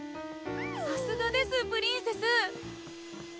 さすがですプリンセス！